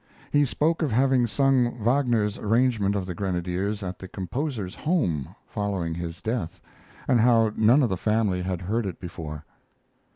He spoke of having sung Wagner's arrangement of the "Grenadiers" at the composer's home following his death, and how none of the family had heard it before.